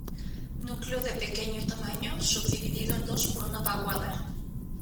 Núcleo de pequeño tamaño, subdividido en dos por una vaguada.